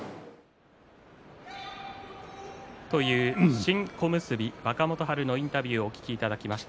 新小結若元春のインタビューをお聞きいただきました。